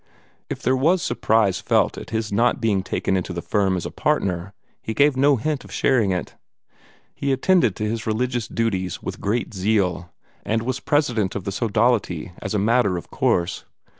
If there was surprise felt at his not being taken into the firm as a partner, he gave no hint of sharing it. He attended to his religious duties with great zeal, and was President of the Sodality as a matter of course.